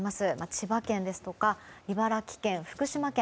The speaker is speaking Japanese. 千葉県ですとか茨城県、福島県。